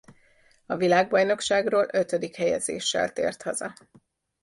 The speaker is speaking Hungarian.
A világbajnokságról ötödik helyezéssel tért haza.